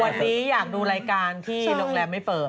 อยากดูรายการที่หลงแลไม่เปิด